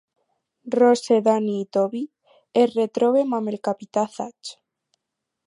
Rose, Danny i Toby es retroben amb el Capità Zach.